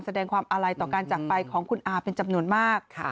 แสดงความอาลัยต่อการจักรไปของคุณอาเป็นจำนวนมาก